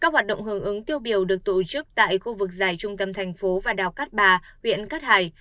hoạt động hưởng ứng tiêu biểu được tổ chức tại khu vực dài trung tâm thành phố và đào cắt bà huyện cắt hải